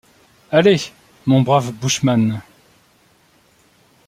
Allez, mon brave bushman.